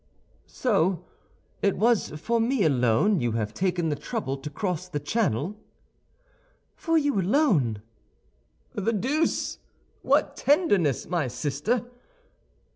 "So it was for me alone you have taken the trouble to cross the Channel?" "For you alone." "The deuce! What tenderness, my sister!"